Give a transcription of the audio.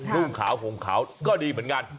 นุ่งขาวห่มขาวก็ดีเหมือนกัน